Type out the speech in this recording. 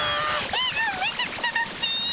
絵がめちゃくちゃだっピ！